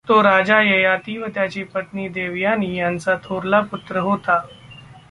तो राजा ययाति व त्याची पत्नी देवयानी यांचा थोरला पुत्र होता.